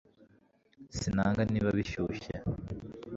sinanga niba bishyushye